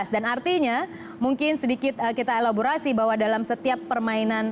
dan artinya mungkin sedikit kita elaborasi bahwa dalam setiap permainan